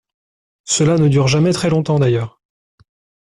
Cela ne dure jamais très longtemps, d’ailleurs.